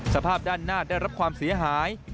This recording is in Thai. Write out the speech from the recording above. สภาพด้านหน้าได้รับความเสียหาย